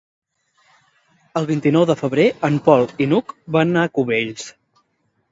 El vint-i-nou de febrer en Pol i n'Hug van a Cubells.